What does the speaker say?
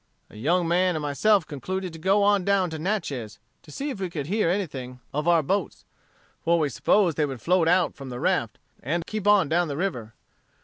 "A young man and myself concluded to go on down to Natchez, to see if we could hear anything of our boats; for we supposed they would float out from the raft, and keep on down the river.